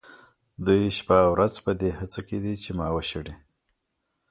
دوی شپه او ورځ په دې هڅه کې دي چې ما وشړي.